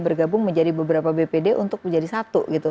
bergabung menjadi beberapa bpd untuk menjadi satu gitu